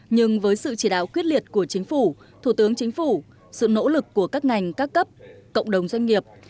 nhưng với sự chỉ đạo quyết liệt của chính phủ thủ tướng chính phủ sự nỗ lực của các ngành các cấp cộng đồng doanh nghiệp